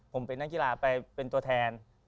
ผมเป็นนักกีฬาไปเป็นตัวแทน